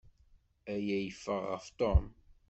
Aya yeffeɣ ɣef Tom.